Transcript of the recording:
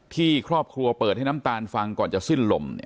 ที่ครอบครัวเปิดให้น้ำตาลฟังก่อนจะสิ้นลม